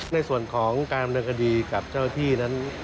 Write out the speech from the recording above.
ในส่วนของการดำเนินคดีกับเจ้าที่นั้น